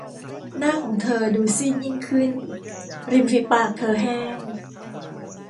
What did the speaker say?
หน้าของเธอดูซีดยิ่งขึ้น ริมฝีปากเธอแห้ง